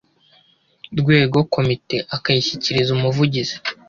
rwego komite akayishyikiriza umuvugizi